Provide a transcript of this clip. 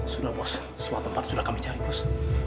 sudah bos semua tempat sudah kami cari bos